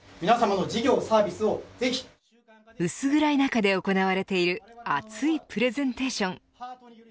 薄暗い中で行われている熱いプレゼンテーション。